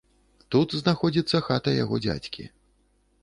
Тут знаходзіцца хата яго дзядзькі.